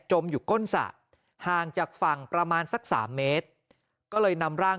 อยู่ก้นสระห่างจากฝั่งประมาณสักสามเมตรก็เลยนำร่าง